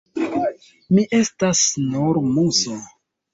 Mi estas nur muso.